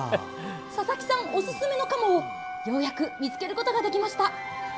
佐々木さんおすすめのカモをようやく見つけることができました！